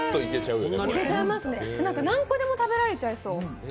何個でも食べられちゃいそう。